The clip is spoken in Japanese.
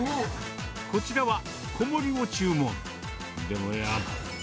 こちらは小盛りを注文。